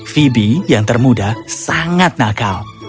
phibie yang termuda sangat nakal